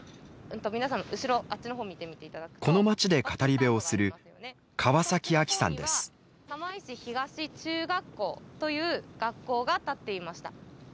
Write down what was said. この町で語り部をする釜石東中学校という学校が建っていました。